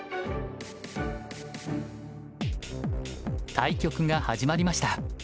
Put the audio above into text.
対局が始まりました。